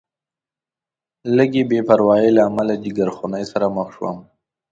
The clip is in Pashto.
لږې بې پروایۍ له امله جیګرخونۍ سره مخ شوم.